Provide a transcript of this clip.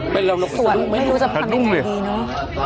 พระก็สวดไม่รู้สำคัญใจดีนะว่า